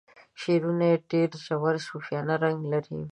شعرونه یې ډیر ژور صوفیانه رنګ لري.